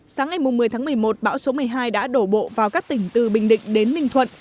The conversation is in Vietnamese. sáng ngày một mươi tháng một mươi một bão số một mươi hai đã đổ bộ vào các tỉnh từ bình định đến ninh thuận